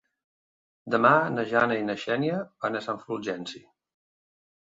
Demà na Jana i na Xènia van a Sant Fulgenci.